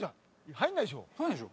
入らないでしょ。